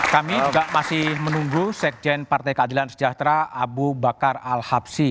kami juga masih menunggu sekjen partai keadilan sejahtera abu bakar al habsi